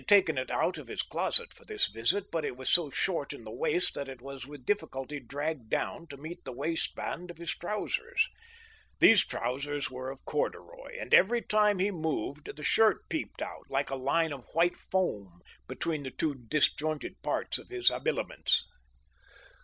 7 taken it out of his closet for this visit, but it was so short in the waist that it was with difficulty dragged down to meet the waist band of his trousers. These trousers were of corduroy, and every time he moved the shirt peeped out, like a line of white foam, be tween the two disjointed parts of his habiliments.